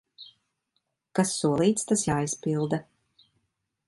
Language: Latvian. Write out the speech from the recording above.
Kas solīts, tas jāizpilda.